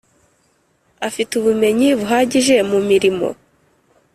afite ubumenyi buhagije mu mirimo